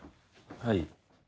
はい。